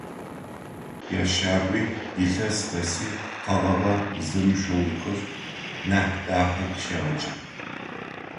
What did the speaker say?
Ящагуи илъэс къэси къэгъэгъэ зэмышъогъухэр Нахьдахэ къыщегъэкӏых.